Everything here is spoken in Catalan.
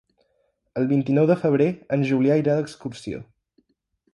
El vint-i-nou de febrer en Julià irà d'excursió.